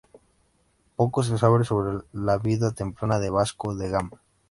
Poco se sabe sobre la vida temprana de Vasco da Gama.